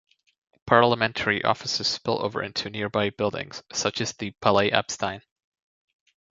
Parliamentary offices spill over into nearby buildings, such as the Palais Epstein.